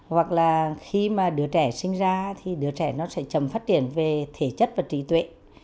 hoặc là khi mà đứa trẻ sinh ra thì đứa trẻ nó sẽ chậm phát triển về thể chất và trí tuệ